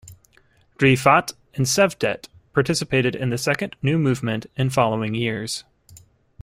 Rifat and Cevdet participated in the Second New Movement in following years.